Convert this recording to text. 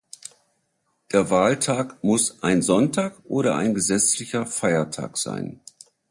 Der Wahltag muss ein Sonntag oder ein gesetzlicher Feiertag sein.